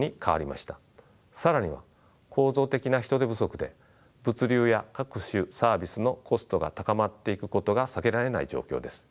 更には構造的な人手不足で物流や各種サービスのコストが高まっていくことが避けられない状況です。